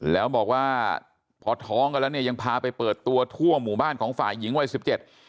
แล้วบอกว่าพอท้องกันแล้วเนี่ยยังพาไปเปิดตัวทั่วหมู่บ้านของฝ่ายหญิงวัยสิบเจ็ด